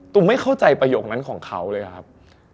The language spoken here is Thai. ไม่เข้าใจประโยคนั้นของเขาเลยครับ